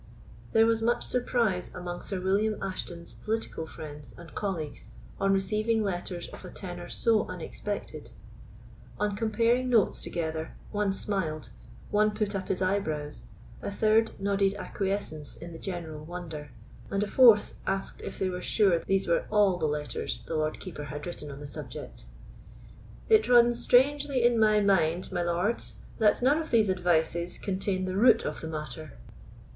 There was much surprise among Sir William Ashton's political friends and colleagues on receiving letters of a tenor so unexpected. On comparing notes together, one smiled, one put up his eyebrows, a third nodded acquiescence in the general wonder, and a fourth asked if they were sure these were all the letters the Lord Keeper had written on the subject. "It runs strangely in my mind, my lords, that none of these advices contain the root of the matter."